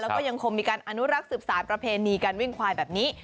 แล้วก็ยังคงมีการอนุรักษ์สืบสารประเพณีการวิ่งควายแบบนี้